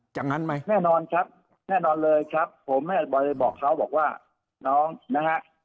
อย่างนั้นไหมแน่นอนครับแน่นอนเลยครับผมให้บริบอกเขาบอกว่าน้องนะฮะ